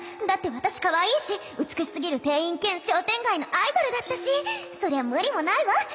だって私かわいいし美しすぎる店員兼商店街のアイドルだったしそりゃ無理もないわ。